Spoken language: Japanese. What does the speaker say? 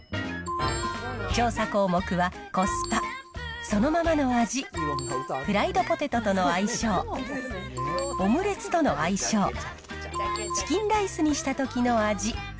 調査項目は、コスパ、そのままの味、フライドポテトとの相性、オムレツとの相性、チキンライスにしたときの味。